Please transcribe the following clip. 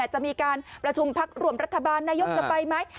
จะมีการประชุมพักร่วมรัฐบาลนายกจะไปไหม